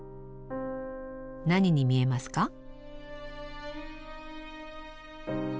何に見えますか？